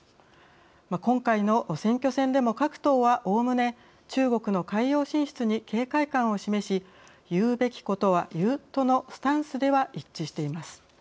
今回の選挙戦でも各党はおおむね中国の海洋進出に警戒感を示し言うべきことは言うとのスタンスでは一致しています。